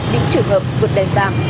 đến trường hợp vượt đèn vàng